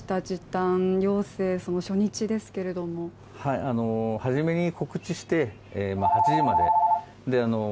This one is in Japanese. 時短要請その初日ですけれども初めに告知して８時まで。